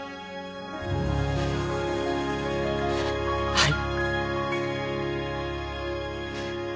はい。